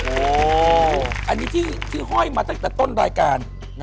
โอ้โหอันนี้ที่ห้อยมาตั้งแต่ต้นรายการ